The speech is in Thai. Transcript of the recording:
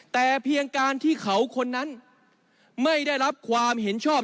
แต่เพียงการที่เขาคนนั้นไม่ได้รับความเห็นชอบ